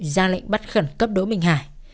ra lệnh bắt khẩn cấp đỗ minh hải